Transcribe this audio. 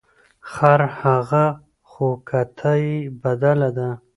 ـ خرهغه خو کته یې بدله ده .